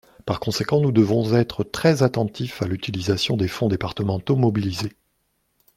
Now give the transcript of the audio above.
Par conséquent, nous devons être très attentifs à l’utilisation des fonds départementaux mobilisés.